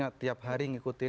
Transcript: maksudnya tiap hari ngikutin